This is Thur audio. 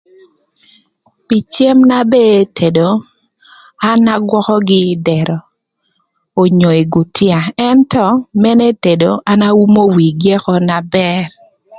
Pï cem na ba etedo an agwökögï ï dërö onyo ï gutia ëntö mënë etedo an aumo wigï ökö na bër.